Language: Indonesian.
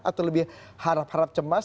atau lebih harap harap cemas